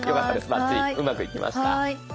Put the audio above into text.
バッチリうまくいきました。